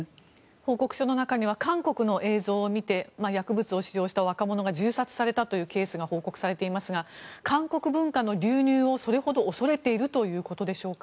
報告書の中には韓国の映像を見て薬物を使用した若者が銃殺されたというケースが報告されていますが韓国文化の流入をそれほど恐れているということでしょうか。